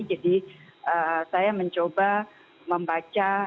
jadi saya mencoba membaca